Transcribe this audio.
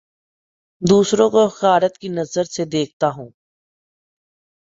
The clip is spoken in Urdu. دوسروں کو حقارت کی نگاہ سے دیکھتا ہوں